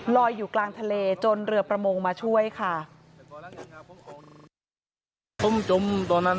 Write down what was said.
ลอยอยู่กลางทะเลจนเรือประมงมาช่วยค่ะ